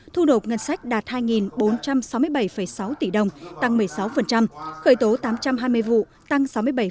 thu nộp ngân sách đạt hai bốn trăm sáu mươi bảy sáu tỷ đồng tăng một mươi sáu khởi tố tám trăm hai mươi vụ tăng sáu mươi bảy